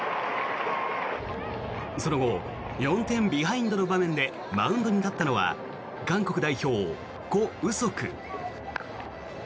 その後、４点ビハインドの場面でマウンドに立ったのは韓国代表、コ・ウソク。